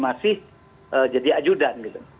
masih jadi ajudan gitu